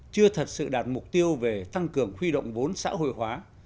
chưa thật sự đạt mục tiêu về tăng cường huy động vốn xã hội hóa